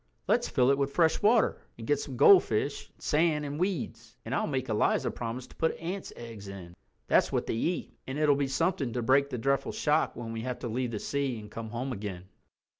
"Let's fill it with fresh water, and get some goldfish and sand and weeds; and I'll make Eliza promise to put ants' eggs in—that's what they eat—and it'll be something to break the dreadful shock when we have to leave the sea and come home again."